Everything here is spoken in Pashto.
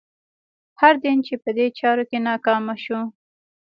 هر دین چې په دې چارو کې ناکامه شو.